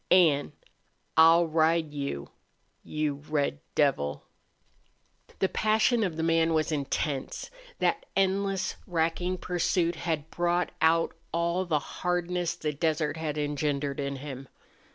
An' I'll ride you you red devil!" The passion of the man was intense. That endless, racking pursuit had brought out all the hardness the desert had engendered in him.